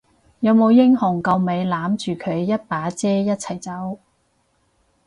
有冇英雄救美攬住佢一把遮一齊走？